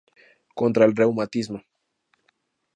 Contra el reumatismo.